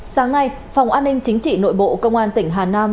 sáng nay phòng an ninh chính trị nội bộ công an tỉnh hà nam